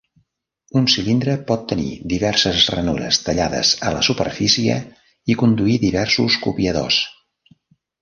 Un cilindre pot tenir diverses ranures tallades a la superfície i conduir diversos copiadors.